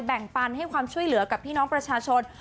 แบ่งปันให้ความช่วยเหลือกับพี่น้องประชาชน